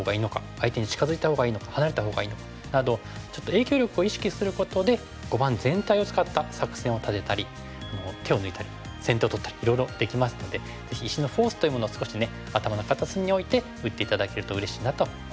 相手に近づいたほうがいいのか離れたほうがいいのかなどちょっと影響力を意識することで碁盤全体を使った作戦を立てたり手を抜いたり先手を取ったりいろいろできますのでぜひ石のフォースというものを少し頭の片隅に置いて打って頂けるとうれしいなと思います。